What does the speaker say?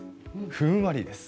ふんわりです。